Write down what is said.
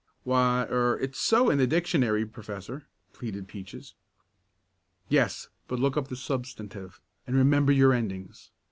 "Why er it's so in the dictionary, Professor," pleaded Peaches. "Yes, but look up the substantive, and remember your endings.